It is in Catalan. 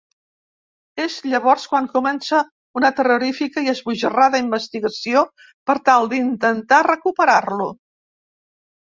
És llavors quan comença una terrorífica i esbojarrada investigació per tal d'intentar recuperar-lo.